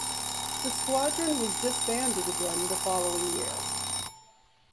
The squadron was disbanded again the following year.